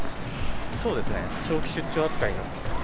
そうですね長期出張扱いになってますね。